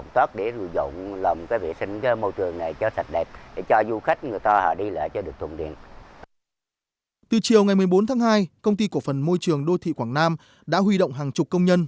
từ chiều một mươi bốn tháng hai công ty cổ phần môi trường đô thị quảng nam đã huy động hàng chục công nhân